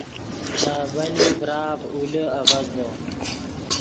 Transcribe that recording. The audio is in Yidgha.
نے ابیلی ڤرآف اولے آڤزدو